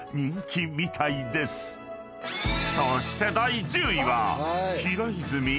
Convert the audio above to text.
［そして第１０位は］